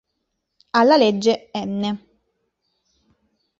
Alla legge n.